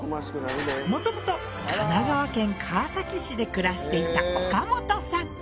もともと神奈川県川崎市で暮らしていた岡本さん。